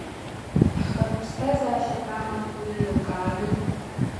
Ҳхатә ԥсҭазаашьа ҳамам, уи еилкаами.